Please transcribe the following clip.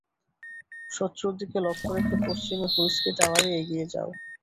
শত্রুর দিক লক্ষ্য করে পশ্চিমে হুইস্কি টাওয়ারে এগিয়ে যাও।